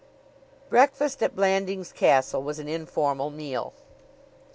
Breakfast at Blandings Castle was an informal meal.